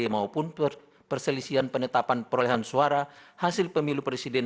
maupun perselisian penetapan perolehan suara hasil pemilu presiden